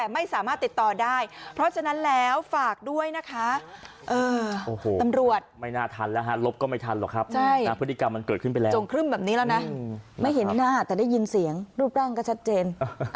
น่าทันแล้วลบก็ไม่ทันหรอกครับพฤติกรรมมันเกิดขึ้นไปแล้วจงครึ่มแบบนี้แล้วนะไม่เห็นหน้าแต่ได้ยินเสียงรูปร่างก็ชัดเจน